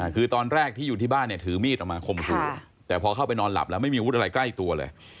คือตอนแรกที่อยู่ที่บ้านเนี่ยถือมีดออกมาคมครูแต่พอเข้าไปนอนหลับแล้วไม่มีอาวุธอะไรใกล้ตัวเลย